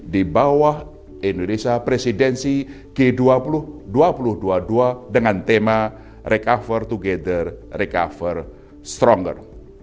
di bawah indonesia presidensi g dua ribu dua puluh dua dengan tema recover together recover stronger